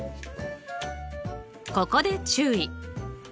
ここで注意！